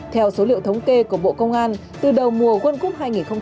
theo số liệu thống kê của bộ công an từ đầu mùa quân cúp hai nghìn hai mươi hai